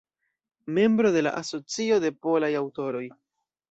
Membro de la Asocio de Polaj Aŭtoroj.